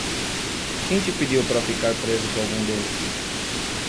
Quem te pediu para ficar preso com algum deles?